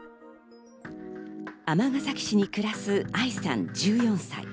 尼崎市に暮らすＩさん、１４歳。